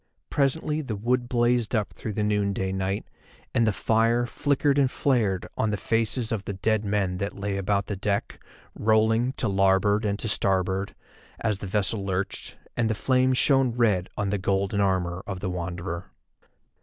Presently the wood blazed up through the noonday night, and the fire flickered and flared on the faces of the dead men that lay about the deck, rolling to larboard and to starboard, as the vessel lurched, and the flame shone red on the golden armour of the Wanderer.